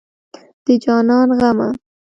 د جانان غمه